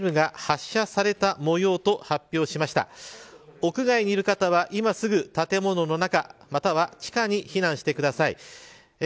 屋外にいる方は今すぐ建物の中、または地下に避難してください。